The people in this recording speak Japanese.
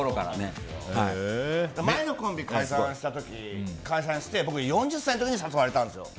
前のコンビ解散して僕４０歳の時に誘われたんですよ。